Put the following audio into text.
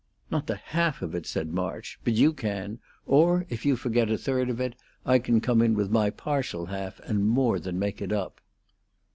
"Not the half of it," said March. "But you can; or if you forget a third of it, I can come in with my partial half and more than make it up."